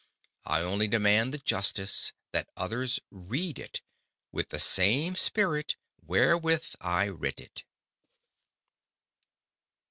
I only demand the Justice, that others read it, with the same Spirit wherewith I writ it.